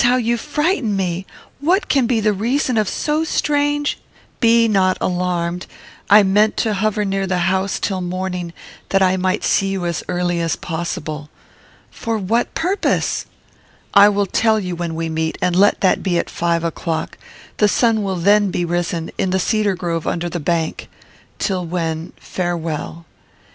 How you frighten me! What can be the reason of so strange " "Be not alarmed. I meant to hover near the house till morning, that I might see you as early as possible." "For what purpose?" "I will tell you when we meet, and let that be at five o'clock; the sun will then be risen; in the cedar grove under the bank; till when, farewell."